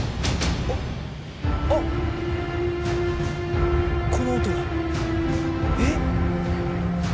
あっこの音はえ？